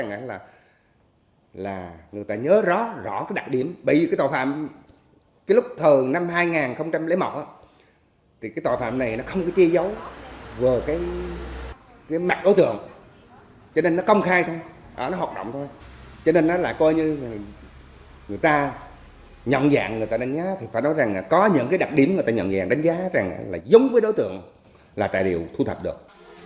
nhận dạng người ta đánh giá thì phải nói rằng có những đặc điểm người ta nhận dạng đánh giá là giống với đối tượng là tài liệu thu thập được